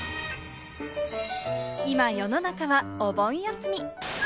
今、世の中はお盆休み。